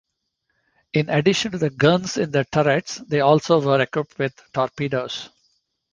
In addition to the guns in their turrets, they also were equipped with torpedoes.